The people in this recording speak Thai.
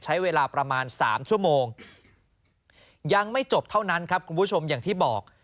ใช้เวลาประมาณ๓ชั่วโมงยังไม่จบเท่านั้นครับคุณผู้ชมอย่างที่บอก